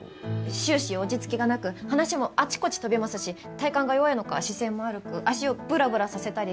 終始落ち着きがなく話もあちこち飛びますし体幹が弱いのか姿勢も悪く足をブラブラさせたり。